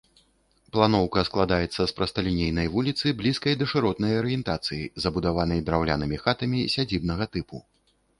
Планоўка складаецца з прасталінейнай вуліцы, блізкай да шыротнай арыентацыі, забудаванай драўлянымі хатамі сядзібнага тыпу.